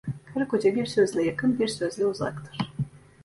Karıkoca bir sözle yakın, bir sözle uzaktır.